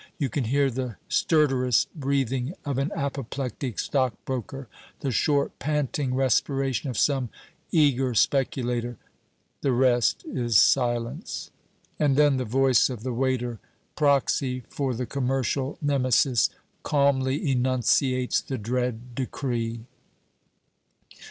You can hear the stertorous breathing of an apoplectic stockbroker, the short panting respiration of some eager speculator the rest is silence. And then the voice of the waiter proxy for the commercial Nemesis calmly enunciates the dread decree.